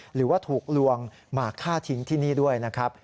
หรือว่าถูกลวงมาฆ่าทิ้งที่นี่ด้วยนะครับ